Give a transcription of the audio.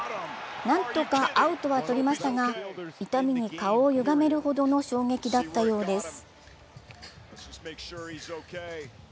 何とかアウトは取りましたが、痛みに顔をゆがめるほどの衝撃だったようです。